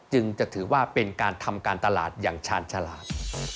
จึงจะถือว่าเป็นการทำการตลาดอย่างชาญฉลาด